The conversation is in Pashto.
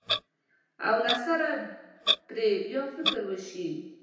او له سره پرې بیا فکر وشي.